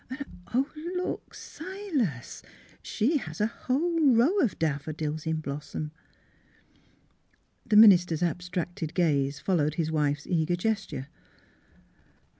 And, oh, look, Silas, she has a whole row of daffodils in blossom! " The minister's abstracted gaze followed his wife's eager gesture.